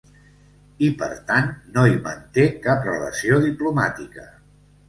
I, per tant, no hi manté cap relació diplomàtica.